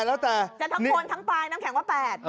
แค่ทั้งโคลนทั้งปลายน้ำแข็งก็๘